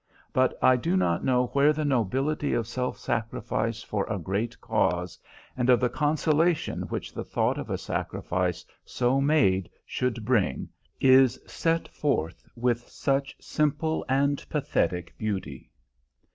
But I do not know where the nobility of self sacrifice for a great cause, and of the consolation which the thought of a sacrifice so made should bring, is set forth with such simple and pathetic beauty.